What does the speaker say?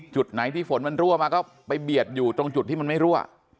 จุดไหนที่ฝนมันรั่วมาก็ไปเบียดอยู่ตรงจุดที่มันไม่รั่ว